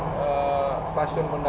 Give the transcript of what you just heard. ke tempat yang kita